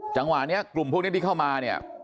จังหวะนี้กลุ่มพวกนี้ที่เข้ามาเนี่ย